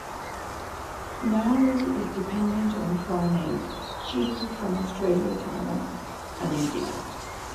Nauru is dependent on foreign aid, chiefly from Australia, Taiwan and New Zealand.